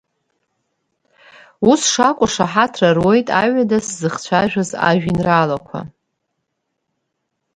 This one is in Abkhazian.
Ус шакәу шаҳаҭра руеит аҩада сзыхцәажәаз ажәеинраалақәа.